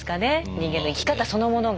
人間の生き方そのものが。